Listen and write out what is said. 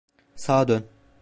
Sağa dön!